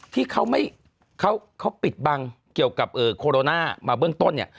ที่เขาปิดบังเกี่ยวกับโคโรนามาเบื้องต้นเนี่ย